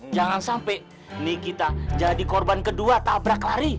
jangan sampai nih kita jadi korban kedua tabrak lari